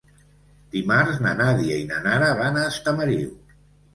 Dimarts na Nàdia i na Nara van a Estamariu.